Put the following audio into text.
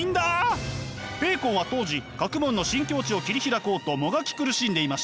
ベーコンは当時学問の新境地を切り開こうともがき苦しんでいました。